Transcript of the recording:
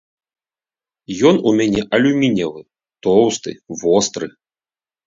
Ён у мяне алюмініевы, тоўсты, востры.